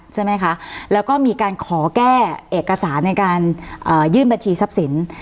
ใช่ไหมคะแล้วก็มีการขอแก้เอกสารในการยื่นบัญชีทรัพย์สิน